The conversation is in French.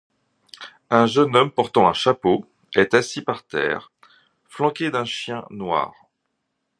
Un jeune homme portant un chapeau est assis par terre, flanqué d'un chien noir.